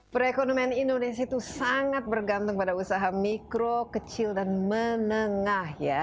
perekonomian indonesia itu sangat bergantung pada usaha mikro kecil dan menengah ya